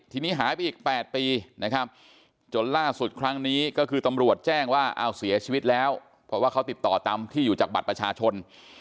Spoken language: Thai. ทีนี้หายไปอีก๘ปีนะครับจนล่าสุดครั้งนี้ก็คือตำรวจแจ้งว่าเอาเสียชีวิตแล้วเพราะว่าเขาติดต่อตามที่อยู่จากบัตรประชาชน